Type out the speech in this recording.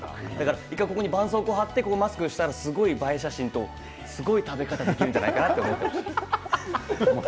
１回額にばんそうこうを貼ってマスクをしたらすごい映え写真すごい食べ方ができるんじゃないかなと思いました。